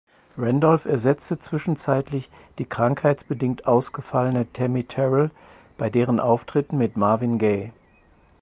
Randolph ersetzte zwischenzeitlich die krankheitsbedingt ausgefallene Tammi Terrell bei deren Auftritten mit Marvin Gaye.